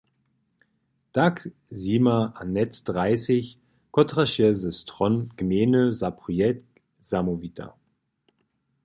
Tak zjima Annett Dreißig, kotraž je ze stron gmejny za projekt zamołwita.